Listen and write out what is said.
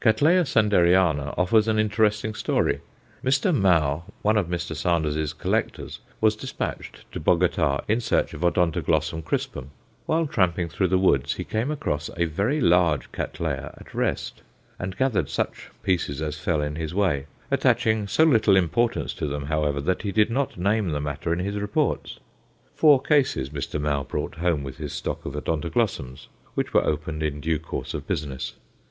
Cattleya Sanderiana offers an interesting story. Mr. Mau, one of Mr. Sander's collectors, was despatched to Bogota in search of Odontoglossum crispum. While tramping through the woods, he came across a very large Cattleya at rest, and gathered such pieces as fell in his way attaching so little importance to them, however, that he did not name the matter in his reports. Four cases Mr. Mau brought home with his stock of Odontoglossums, which were opened in due course of business.